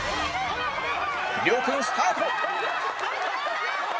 亮君スタート